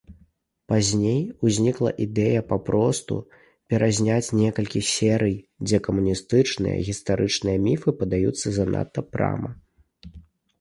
Пазней узнікла ідэя папросту перазняць некалькі серый, дзе камуністычныя гістарычныя міфы падаюцца занадта прама.